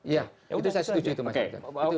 iya itu saya setuju itu mas